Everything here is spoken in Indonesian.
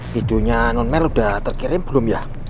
hidungnya nonmer udah terkirim belum ya